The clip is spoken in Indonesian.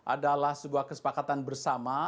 adalah sebuah kesepakatan bersama